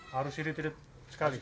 harus ini tidak sekali